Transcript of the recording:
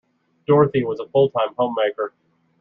Dorothy was a full-time homemaker.